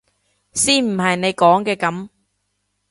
先唔係你講嘅噉！